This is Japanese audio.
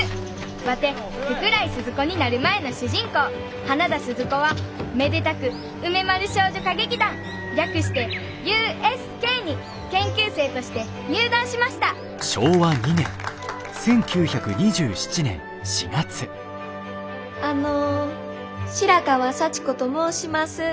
ワテ福来スズ子になる前の主人公花田鈴子はめでたく梅丸少女歌劇団略してＵＳＫに研究生として入団しましたあの白川幸子と申します。